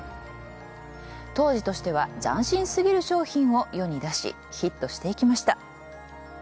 当時としては斬新すぎる商品を世に出しヒットしていきました。